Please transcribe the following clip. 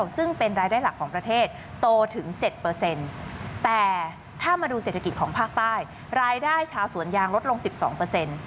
เศรษฐกิจของภาคใต้รายได้ชาวสวนยางลดลงสิบสองเปอร์เซ็นต์